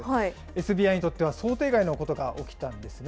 ＳＢＩにとっては、想定外のことが起きたんですね。